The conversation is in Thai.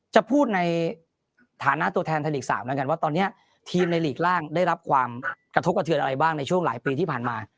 จะพูดในฐานะตัวแทนไทยลีก๓แล้วกันว่าตอนนี้ทีมในหลีกล่างได้รับความกระทบกระเทือนอะไรบ้างในช่วงหลายปีที่ผ่านมา